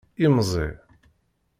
Imẓi.